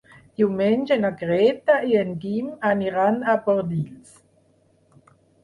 Diumenge na Greta i en Guim aniran a Bordils.